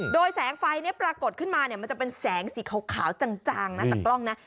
โดยแสงไฟนี้ปรากฏขึ้นมามันจะเป็นแสงสีขาวจังนะจัดกล้องนะ